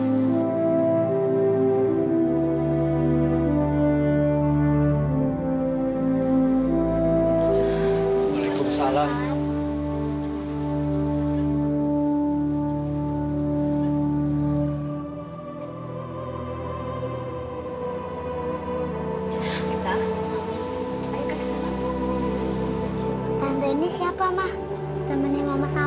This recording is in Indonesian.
assalamualaikum warahmatullahi wabarakatuh